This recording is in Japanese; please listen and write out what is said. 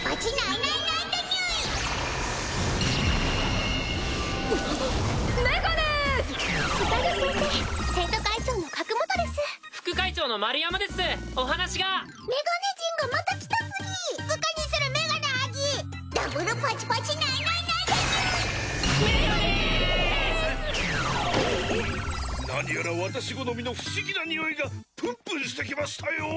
なにやら私好みの不思議なにおいがプンプンしてきましたよ！